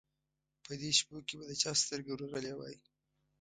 په دې شپو کې به د چا سترګه ورغلې وای.